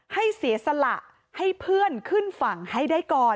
ให้เสียสละให้เพื่อนขึ้นฝั่งให้ได้ก่อน